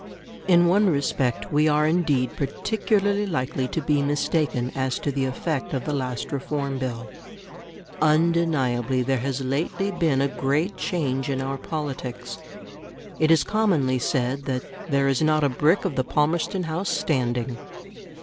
In one respect we are indeed particularly likely to be mistaken as to the effect of the last Reform Bill. Undeniably there has lately been a great change in our politics. It is commonly said that "there is not a brick of the Palmerston House standing".